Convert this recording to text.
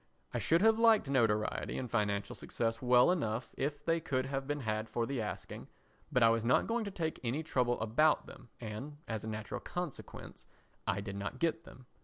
I should have liked notoriety and financial success well enough if they could have been had for the asking, but I was not going to take any trouble about them and, as a natural consequence, I did not get them.